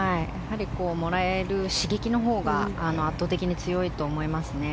もらえる刺激のほうが圧倒的に強いと思いますね。